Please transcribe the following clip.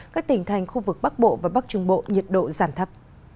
các tỉnh thành khu vực bắc bộ và bắc trung bộ nhiệt độ giảm thấp